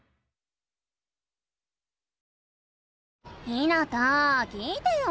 ひなた聞いてよ。